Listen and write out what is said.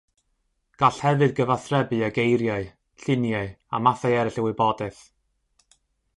Gall hefyd gyfathrebu â geiriau, lluniau a mathau eraill o wybodaeth.